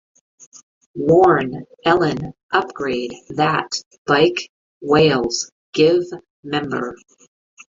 warn, Elen, upgrade, that, bike, Wales, give, member